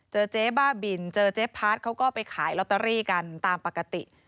เจ๊บ้าบินเจอเจ๊พัดเขาก็ไปขายลอตเตอรี่กันตามปกติ